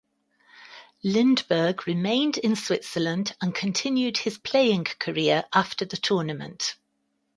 Lindberg remained in Switzerland and continued his playing career after the tournament.